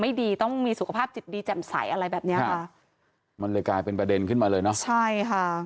ดีต้องมีสุขภาพจิตดีแจ่มใสอะไรแบบเนี้ยค่ะมันเลยกลายเป็นประเด็นขึ้นมาเลยเนอะใช่ค่ะ